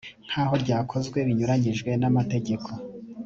nk aho ryakozwe binyuranyije n amategeko